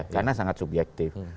karena sangat subjektif